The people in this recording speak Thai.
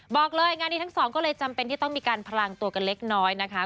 บอกเลยงานนี้ทั้งสองก็เลยจำเป็นที่ต้องมีการพลังตัวกันเล็กน้อยนะคะ